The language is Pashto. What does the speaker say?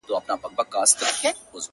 لا به تر څو دا سرې مرمۍ اورېږي٫